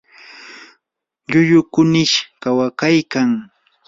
lllullu kunish kawakaykan.